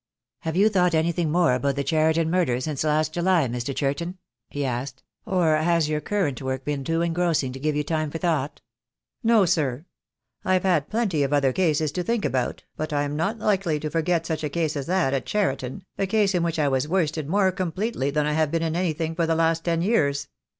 "Have you thought anything more about the Cheriton murder since last July, Mr. Churton?" he asked; "or has your current work been too engrossing to give you time for thought?" "No, sir. I've had plenty of other cases to think about, but I'm not likely to forget such a case as that at Cheriton, a case in which I was worsted more completely than I have been in anything for the last ten years.